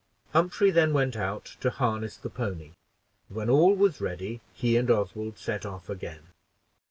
Humphrey then went out to harness the pony, and when all was ready, he and Oswald set off again.